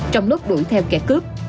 trong lúc đuổi theo kẻ cướp